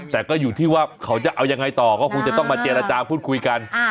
แต่ก็อยู่ที่ว่าเขาจะเอายังไงต่อก็คงจะต้องมาเจรจาพูดคุยกัน